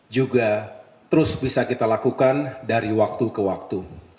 juga terus bisa kita lakukan dari waktu ke waktu